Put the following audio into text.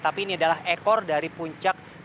tapi ini adalah ekor dari puncak